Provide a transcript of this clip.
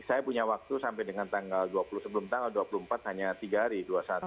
saya punya waktu sampai dengan tanggal dua puluh empat hanya tiga hari